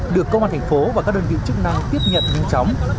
được công an thành phố và các đơn vị chức năng tiếp nhận nhanh chóng